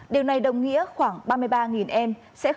điều này đồng nghĩa khoảng ba mươi ba em